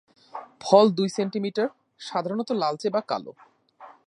ফল দুই সেন্টিমিটার, সাধারণত লালচে বা কালো।